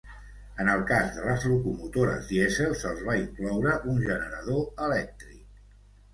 En el cas de les locomotores dièsel se'ls va incloure un generador elèctric.